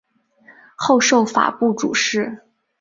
后授法部主事。